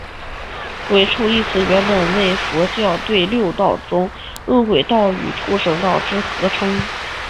鬼畜一词原本为佛教对六道中饿鬼道与畜生道之合称。